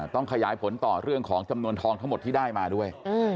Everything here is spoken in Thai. ต้องขยายผลต่อเรื่องของจำนวนทองทั้งหมดที่ได้มาด้วย